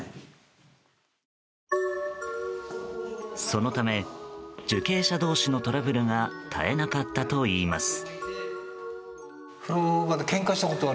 そのため受刑者同士のトラブルが絶えなかったといいます。